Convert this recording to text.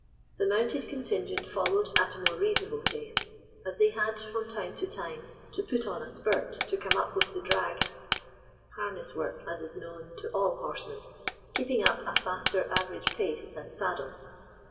The mounted contingent followed at a more reasonable pace, as they had from time to time to put "on a spurt" to come up with the drag, harness work, as is known to all horsemen, keeping up a faster average pace than saddle.